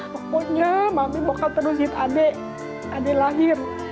pokoknya mami bakal terus jahit adik adik lahir